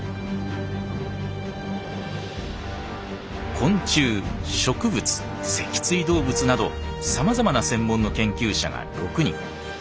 昆虫植物脊椎動物などさまざまな専門の研究者が６人。